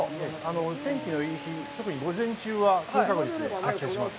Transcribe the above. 天気のいい日、特に午前中は高確率で発生します。